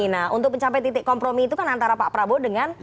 nah untuk mencapai titik kompromi itu kan antara pak prabowo dengan